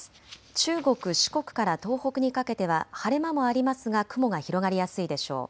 中国、四国から東北にかけては晴れ間もありますが雲が広がりやすいでしょう。